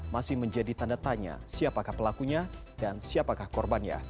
masih menjadi tanda tanya siapakah pelakunya dan siapakah korbannya